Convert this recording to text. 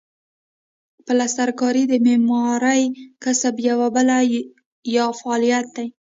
پلسترکاري د معمارۍ کسب یوه بله یا فعالیت دی.